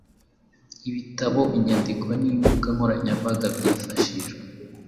Ibitabo, inyandiko n’imbuga nkoranyambaga byifashijwe